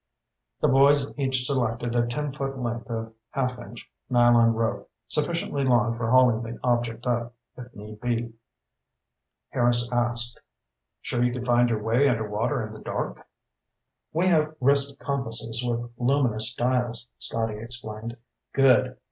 The boys each selected a ten foot length of half inch nylon rope, sufficiently long for hauling the object up, if need be. Harris asked, "Sure you can find your way underwater in the dark?" "We have wrist compasses with luminous dials," Scotty explained. "Good.